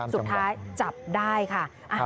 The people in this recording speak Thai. สุดท้ายจับได้ค่ะ